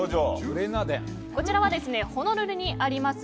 こちらはホノルルにあります